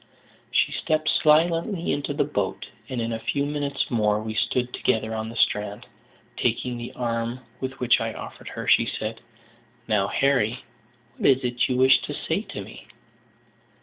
She stepped silently into the boat, and in a few minutes more we stood together on the strand. Taking the arm which I offered her, she said: "Now, Harry, what is it you wish to say to me?"